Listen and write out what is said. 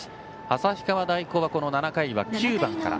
旭川大高は、７回は９番から。